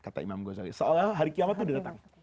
kata imam ghazali seolah olah hari kiamat itu datang